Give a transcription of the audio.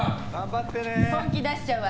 本気出しちゃうわ！